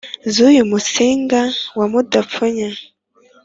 z’uyu musinga wa mudapfunya